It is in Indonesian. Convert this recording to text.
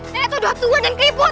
nenek tuh dua tua dan keribut